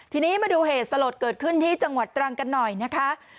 ทีนี้มาดูเหตุสลดเกิดขึ้นที่จังหวัดตรังกันหน่อยนะคะ